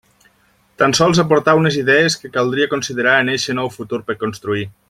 Tan sols aportar unes idees que caldria considerar en eixe nou futur per construir.